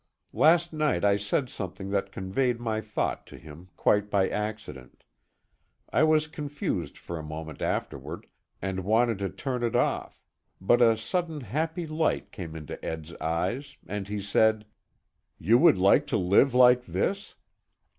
Last night I said something that conveyed my thought to him, quite by accident. I was confused for a moment afterward, and wanted to turn it off; but a sudden happy light came into Ed's eyes, and he said: "You would like to live like this?"